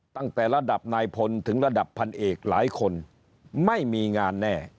ตั้งแต่ระดับนายพลถึงระดับพันเอกหลายคนไม่มีงานแน่